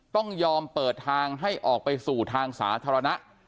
ต้องยอมเปิดทางให้ออกไปสู่ทางสาธารณะ